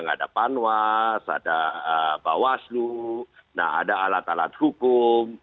ada panwas ada bawaslu nah ada alat alat hukum